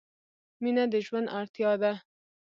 • مینه د ژوند اړتیا ده.